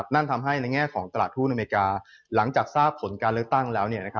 นั่นทำให้ในแง่ของตลาดทุนอเมริกาหลังจากทราบผลการเลือกตั้งแล้ว